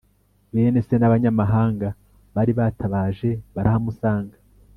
bene se n' abanyamahanga bari batabaje barahamusanga,